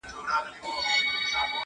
ستنيدل به په بېغمه زړه تر کوره-